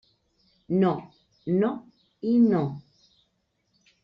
No, no i no.